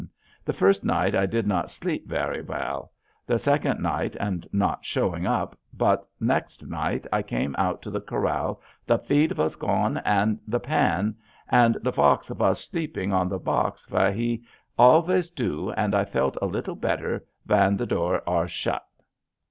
the first night i did not sleep vary val. the sakond night and not showing up, bot naxst morning i Came out to the Corall the feed vas goin en the pan and the fox vas sleping on the box var he allves du and i felt a litle Beatter van the doors ar shut.")